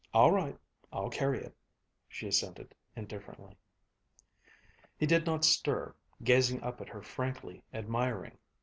"All right, I'll carry it," she assented indifferently. He did not stir, gazing up at her frankly admiring.